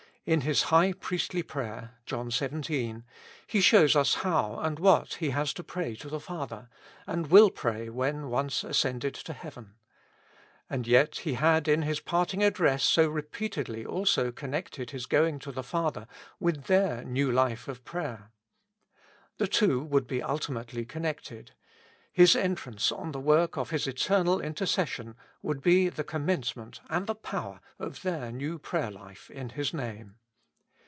In His high priestly prayer (John xvii.). He shows us how and what He has to pray to the Father, and will pray when once ascended to heaven. And yet He had in His parting address so repeatedly also connected his going to the Father with their new life of prayer. The two would be ultimately connected : His entrance on the work of His eternal intercession would be the commencement and the power of their neiv prayer life in His Name.